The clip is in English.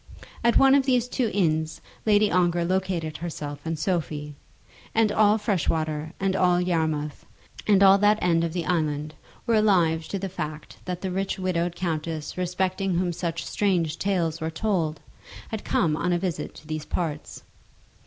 At one of these two inns Lady Ongar located herself and Sophie; and all Freshwater, and all Yarmouth, and all that end of the island were alive to the fact that the rich widowed countess respecting whom such strange tales were told, had come on a visit to these parts.